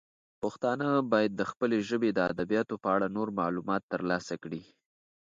پښتانه باید د خپلې ژبې د ادبیاتو په اړه نور معلومات ترلاسه کړي.